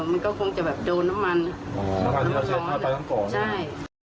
อ๋อมันก็คงจะแบบโดนน้ำมันอ๋อใช่